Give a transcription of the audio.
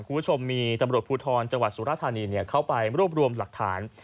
คุณผู้ชมมีตำรวจภูทรจังหวัดสุรธานีเข้าไปรวบรวมหลักฐาน